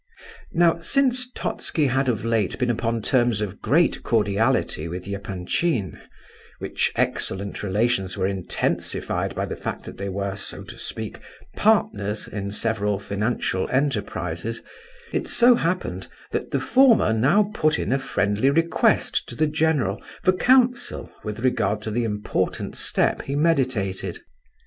Now, since Totski had, of late, been upon terms of great cordiality with Epanchin, which excellent relations were intensified by the fact that they were, so to speak, partners in several financial enterprises, it so happened that the former now put in a friendly request to the general for counsel with regard to the important step he meditated.